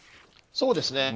そうですね。